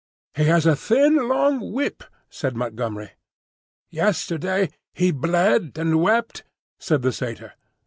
"He has a thin long whip," said Montgomery. "Yesterday he bled and wept," said the Satyr.